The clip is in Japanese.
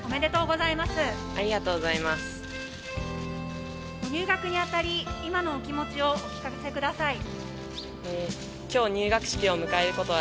ご入学に当たり今のお気持ちをお聞かせください。